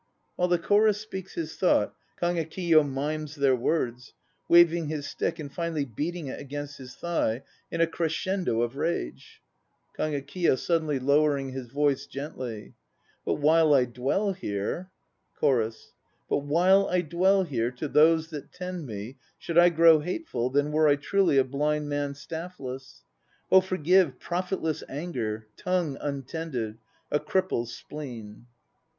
(While the CHORUS speaks his thought KAGEKIYO mimes their words, waving his stick and finally beating it against his thigh in a crescendo of rage.) KAGEKIYO (suddenly lowering his voice, gently). But while I dwell here CHORUS. "But while I dwell here To those that tend me Should I grow hateful Then were I truly A blind man staffless. Oh forgive Profitless anger, tongue untended, A cripple's spleen."